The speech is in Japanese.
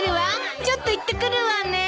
ちょっと行ってくるわね。